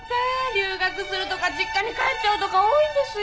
留学するとか実家に帰っちゃうとか多いんですよ。